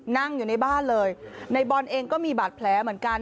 นั่งอยู่ในบ้านเลยในบอลเองก็มีบาดแผลเหมือนกัน